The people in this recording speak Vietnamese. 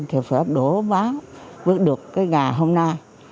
thì phải đổ máu bước được cái nhà hôm nay